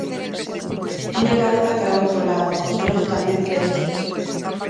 Tiña a cabeza cara a outro lado, cos ollos talvez pechos.